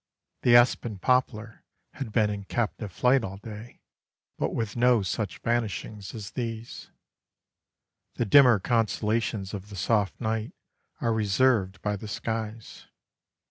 The aspen poplar had been in captive flight all day, but with no such vanishings as these. The dimmer constellations of the soft night are reserved by the skies.